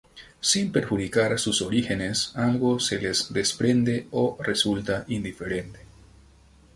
Sin perjudicar sus orígenes algo se les desprende o resulta indiferente.